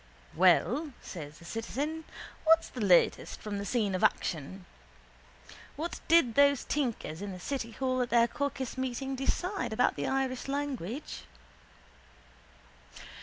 —Well, says the citizen, what's the latest from the scene of action? What did those tinkers in the city hall at their caucus meeting decide about the Irish language?